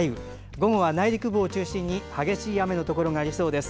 午後は内陸部を中心に激しい雨のところがありそうです。